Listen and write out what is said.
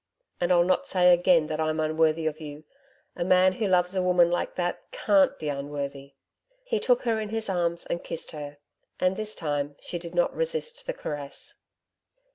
And I'll not say again that I'm unworthy of you a man who loves a woman like that CAN'T be unworthy.' He took her in his arms and kissed her. And this time she did not resist the caress.